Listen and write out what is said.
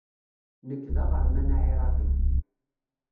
Nekk d aɣerman aɛiraqi.